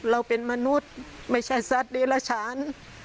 เราเป็นมนุษย์ไม่ใช่สัตว์เดลฉาน